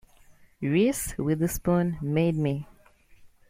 Reese Witherspoon made me.